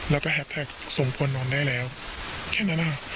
แล้วก็แฮปแท็กสมควรนอนได้แล้วแค่นั้นนะคะ